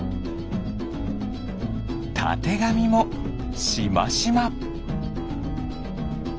たてがみもしましま。